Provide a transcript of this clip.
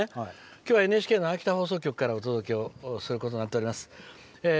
今日はＮＨＫの秋田放送局からお届けをすることになっております。